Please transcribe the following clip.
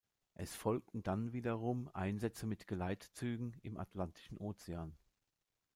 Es folgten dann wiederum Einsätze mit Geleitzügen im Atlantischen Ozean.